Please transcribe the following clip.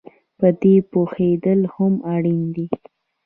په دې پوهېدل هم اړین دي